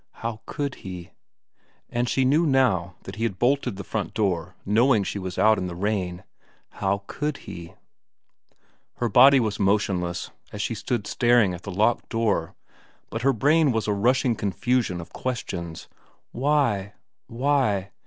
How could he. ... And she knew now that he had bolted the front door knowing she was out in the rain. How could he ? Her body was motionless as she stood staring at the locked door, but her brain was a rushing confusion of questions. Why ? Why